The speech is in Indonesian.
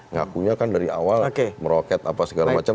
ngakunya kan dari awal meroket apa segala macam